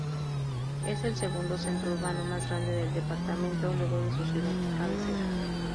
Es el segundo centro urbano más grande del departamento, luego de su ciudad cabecera.